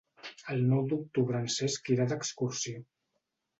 El nou d'octubre en Cesc irà d'excursió.